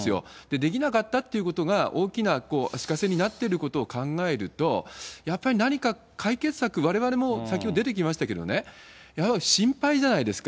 できなかったということが、大きな足かせになってることを考えると、やっぱり何か解決策、われわれも先ほど出てきましたけどね、やはり心配じゃないですか。